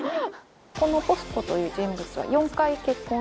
このポストという人物は。